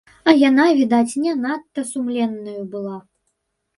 А яна, відаць, не надта сумленнаю была.